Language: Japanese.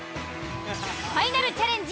ファイナルチャレンジ